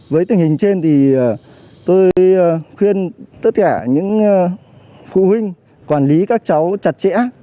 với tình hình trên thì tôi khuyên tất cả những phụ huynh quản lý các cháu chặt chẽ